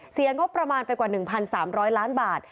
งบประมาณไปกว่า๑๓๐๐ล้านบาท